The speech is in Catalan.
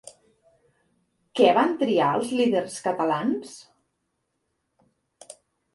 Què van triar els líders catalans?